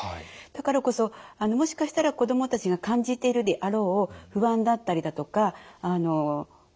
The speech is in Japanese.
だからこそもしかしたら子どもたちが感じているであろう不安だったりだとか怖さだったりだとか